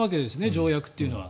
条約というのは。